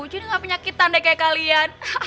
jadi gak penyakitan deh kaya kalian